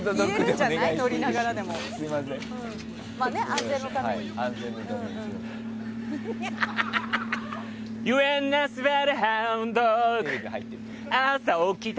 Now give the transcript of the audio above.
安全のためにね。